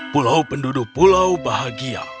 pulau penduduk pulau bahagia